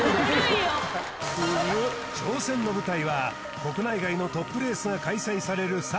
挑戦の舞台は国内外のトップレースが開催される